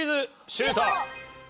シュート！